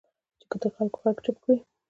چې د خلکو غږ چپ کړي